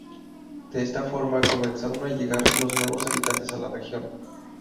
De esta forma, comenzaron a llegar los nuevos habitantes a la región.